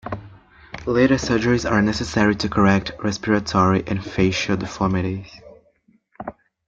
Later surgeries are necessary to correct respiratory and facial deformities.